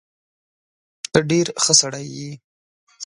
ته ډیر ښه سړی یې